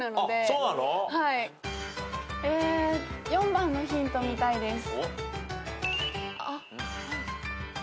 ４番のヒント見たいです。